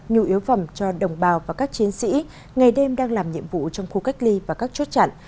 nhu yếu phẩm cho đồng bào và các chiến sĩ ngày đêm đang làm nhiệm vụ trong khu cách ly và các chốt chặn